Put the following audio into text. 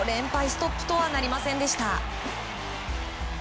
ストップとはなりませんでした。